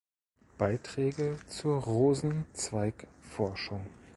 Beiträge zur Rosenzweig-Forschung".